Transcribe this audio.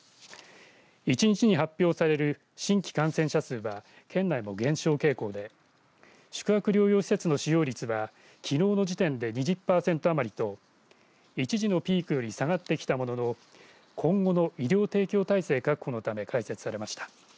１日に発表される新規感染者数は県内も減少傾向で宿泊療養施設の使用率はきのうの時点で２０パーセント余りと一時のピークより下がってきたものの今後の医療提供体制確保のため開設されました。